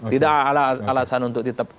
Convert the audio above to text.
tidak alasan untuk tetap